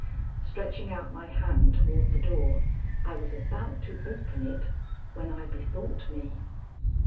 Stretching out my hand toward the door, I was about to open it, when I bethought me.